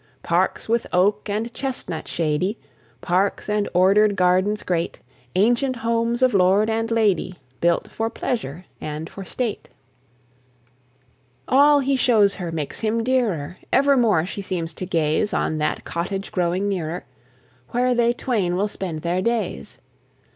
Parks with oak and chestnut shady, Parks and order'd gardens great, Ancient homes of lord and lady, Built for pleasure and for state. All he shows her makes him dearer; Evermore she seems to gaze On that cottage growing nearer, Where they twain will spend their days.